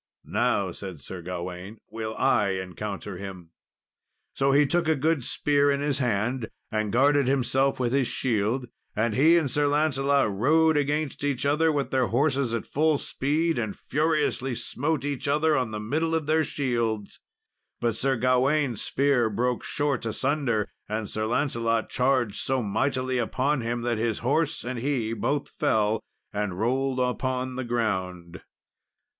"Now," said Sir Gawain, "will I encounter him." So he took a good spear in his hand, and guarded himself with his shield. And he and Sir Lancelot rode against each other, with their horses at full speed, and furiously smote each other on the middle of their shields; but Sir Gawain's spear broke short asunder, and Sir Lancelot charged so mightily upon him, that his horse and he both fell, and rolled upon the ground.